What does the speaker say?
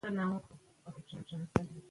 چینايي متل دئ: څوک چي کرار ځي؛ ليري ځي.